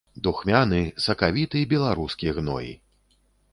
Духмяны, сакавіты беларускі гной.